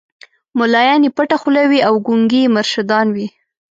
مُلایان یې پټه خوله وي او ګونګي یې مرشدان وي